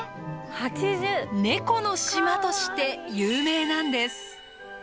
ネコの島として有名なんです。